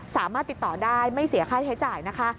สามารถติดต่อได้ไม่เสียค่าใช้จ่ายนะคะ